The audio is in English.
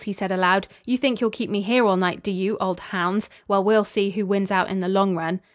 he said aloud. "You think you'll keep me here all night, do you, old hounds? Well, we'll see who wins out in the long run."